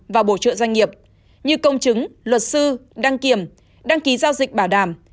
và bổ trợ doanh nghiệp như công chứng luật sư đăng kiểm đăng ký giao dịch bảo đảm